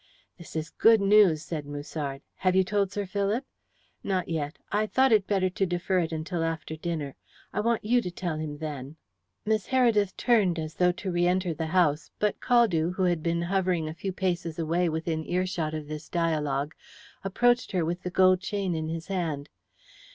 "This is good news," said Musard. "Have you told Sir Philip?" "Not yet. I thought it better to defer it until after dinner. I want you to tell him then." Miss Heredith turned as though to re enter the house, but Caldew, who had been hovering a few paces away within earshot of this dialogue, approached her with the gold chain in his hand.